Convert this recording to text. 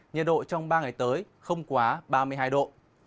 nhiệt độ trong ba ngày tới không quá ba mươi hai độ